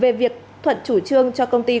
về việc thuận chủ trương cho công ty